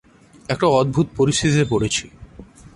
একটা অদ্ভুত পরিস্থিতিতে পড়েছি।